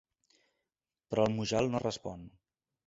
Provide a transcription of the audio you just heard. Però el Mujal no respon.